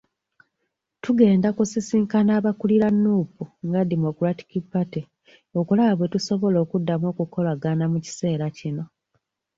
Tugenda kusisinkana abakulira Nuupu nga Democratic Party okulaba bwe tusobola okuddamu okukolagana mu kiseera kino.